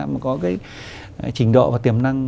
mà có cái trình độ và tiềm năng